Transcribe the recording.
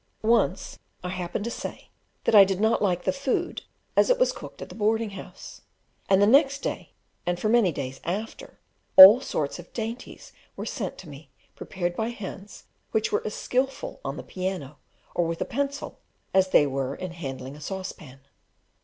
Once I happened to say that I did not like the food as it was cooked at the boarding house; and the next day, and for many days after, all sorts of dainties were sent to me, prepared by hands which were as skilful on the piano, or with a pencil, as they were in handling a saucepan.